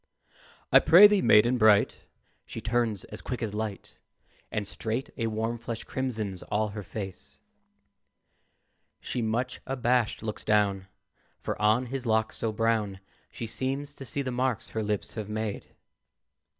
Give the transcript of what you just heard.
"I prithee, maiden bright," She turns as quick as light, And straight a warm flush crimsons all her face. She, much abashed, looks down, For on his locks so brown She seems to see the marks her lips have made.